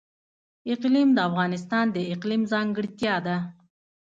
اقلیم د افغانستان د اقلیم ځانګړتیا ده.